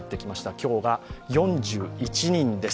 今日が４１人です。